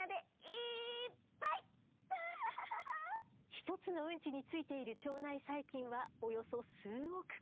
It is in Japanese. １つのウンチについている腸内細菌はおよそ数億個。